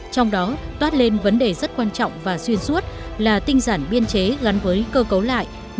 xin chào và hẹn gặp lại